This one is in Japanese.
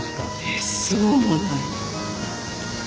めっそうもない。